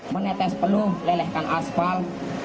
menetes peluh lelehkan asfal